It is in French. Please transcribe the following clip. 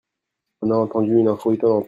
on a entendu une info étonnante.